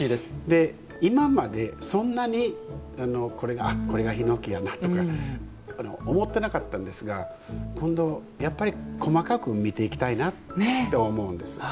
今まで、そんなにこれがあっ、これがヒノキやなとか思ってなかったんですが今度、やっぱり細かく見ていきたいなと思うんです。